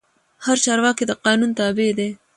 هر چارواکی د قانون تابع دی